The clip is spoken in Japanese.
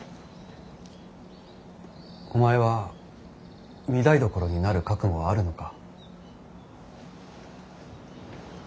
お前は御台所になる覚悟はあるのか。